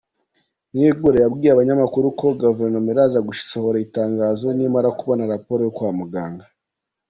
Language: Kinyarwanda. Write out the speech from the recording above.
Mwigulu yabwiye abanyamakuru ko Guverinoma iraza gusohora itangazo nimara kubona raporo yo kwa muganga.